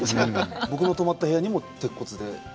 僕の泊まった部屋にも鉄骨で。